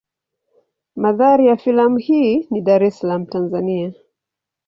Mandhari ya filamu hii ni Dar es Salaam Tanzania.